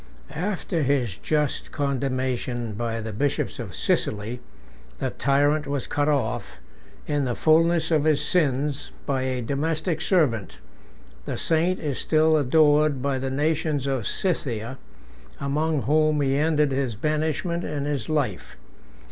After his just condemnation by the bishops of Sicily, the tyrant was cut off, in the fullness of his sins, by a domestic servant: the saint is still adored by the nations of Scythia, among whom he ended his banishment and his life.